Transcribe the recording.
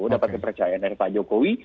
dapat kepercayaan dari pak jokowi